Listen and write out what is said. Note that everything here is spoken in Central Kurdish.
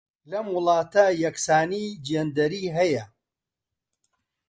لەم وڵاتە یەکسانیی جێندەری هەیە.